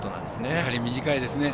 やはり短いですね。